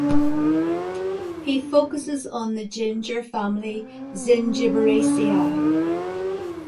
He focuses on the ginger family Zingiberaceae.